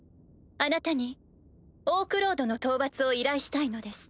あなたにオークロードの討伐を依頼したいのです。